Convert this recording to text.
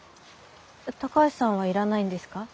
高橋さんはいらないんですか？